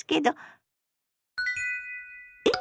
えっ！